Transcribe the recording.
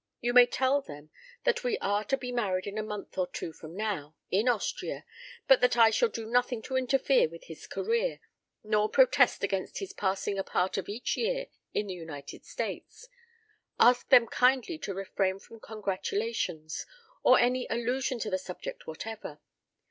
You may tell them that we are to be married in a month or two from now in Austria but that I shall do nothing to interfere with his career; nor protest against his passing a part of each year in the United States. Ask them kindly to refrain from congratulations, or any allusion to the subject whatever.